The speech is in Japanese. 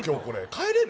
帰れる？